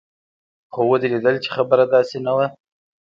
خو ودې ليدل چې خبره داسې نه وه.